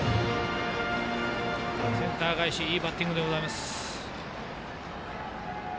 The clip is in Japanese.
センター返しいいバッティングです。